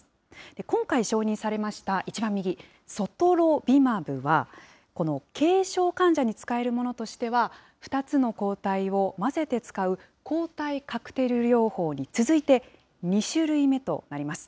今回承認されました一番右、ソトロビマブは、この軽症患者に使えるものとしては、２つの抗体を混ぜて使う抗体カクテル療法に続いて、２種類目となります。